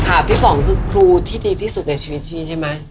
ค่ะปีป๋องคือครู้ที่ดีที่สุดในชีวิตชีพ่อมั้ย